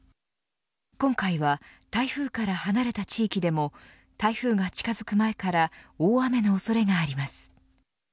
今回は台風から離れた地域でも台風が近づく前から大雨のおそれがあります。